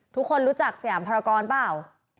ทุกคนรู้จักสยามภารกรเปล่า